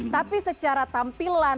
tapi secara tampilan